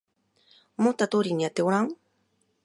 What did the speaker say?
思った通りにやってごらん